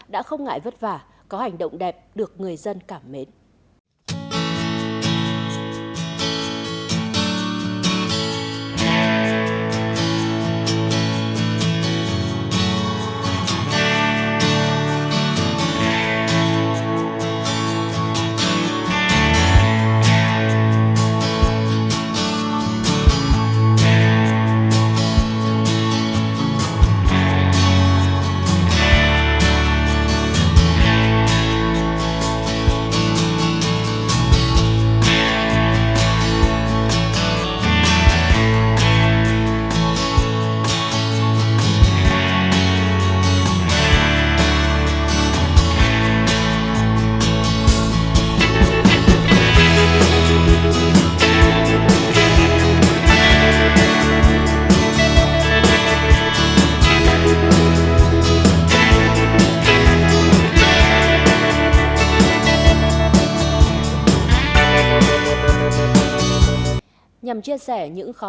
đã không ngại vất vả có hành động đẹp được người dân cảm mến